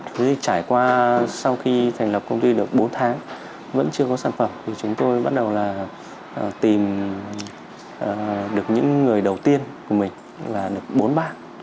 cứ như trải qua sau khi thành lập công ty được bốn tháng vẫn chưa có sản phẩm thì chúng tôi bắt đầu là tìm được những người đầu tiên của mình là được bốn ba